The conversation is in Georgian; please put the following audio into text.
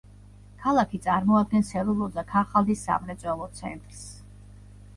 ქალაქი წარმოადგენს ცელულოზა-ქაღალდის სამრეწველო ცენტრს.